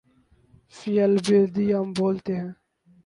فی البدیہہ بولتے ہیں۔